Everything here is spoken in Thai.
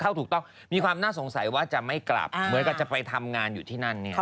ถูกต้องมีความน่าสงสัยว่าจะไม่กลับเหมือนกับจะไปทำงานอยู่ที่นั่นเนี่ย